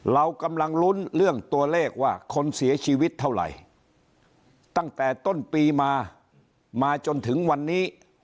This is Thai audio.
เรากำลังรุ้นเรื่องตัวเลขว่าคนเสียชีวิตเท่าไร